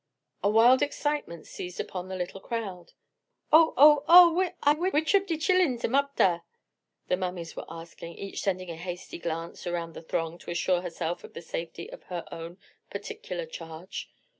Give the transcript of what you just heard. A wild excitement seized upon the little crowd. "Oh, oh, oh I which ob de chillins am up dar?" the mammies were asking, each sending a hasty glance around the throng to assure herself of the safety of her own particular charge.